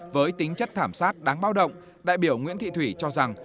với tính chất thảm sát đáng bao động đại biểu nguyễn thị thủy cho rằng